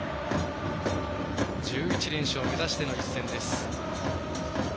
１１連勝を目指しての一戦です。